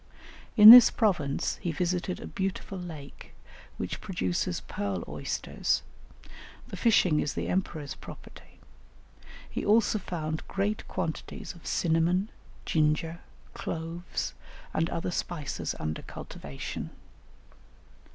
In this province he visited a beautiful lake which produces pearl oysters; the fishing is the emperor's property; he also found great quantities of cinnamon, ginger, cloves, and other spices under cultivation.